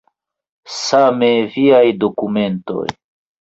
Same viaj dokumentoj.